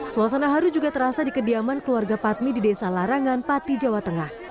suasana haru juga terasa di kediaman keluarga patmi di desa larangan pati jawa tengah